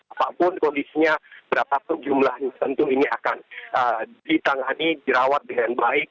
apapun kondisinya berapa jumlahnya tentu ini akan ditangani dirawat dengan baik